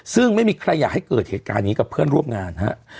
ซึ่งไม่มีใครอยากให้เกิดเหตุการณ์นี้กับเพื่อนร่วมงานฮะ